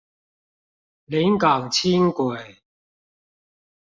臨港輕軌